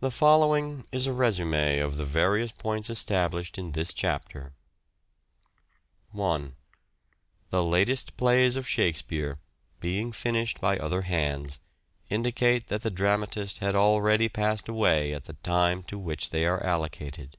The following is a resume" of the various points established in this chapter : i. The latest plays of Shakespeare, being finished by other hands, indicate that the dramatist had already passed away at the time to which they are allocated.